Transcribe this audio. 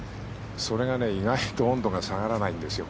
それがね、意外と温度が下がらないんですよ。